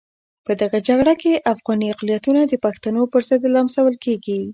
په دغه جګړه کې افغاني اقلیتونه د پښتنو پرضد لمسول کېږي.